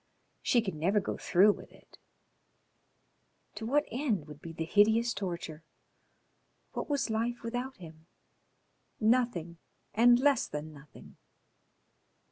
She could never go through with it. To what end would be the hideous torture? What was life without him? Nothing and less than nothing.